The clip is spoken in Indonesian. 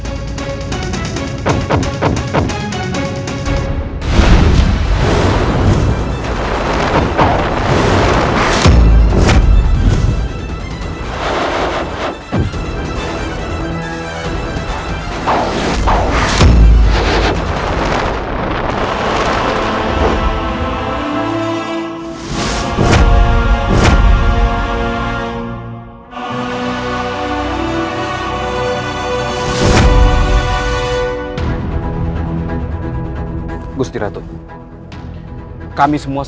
kau tak usah mc nug zag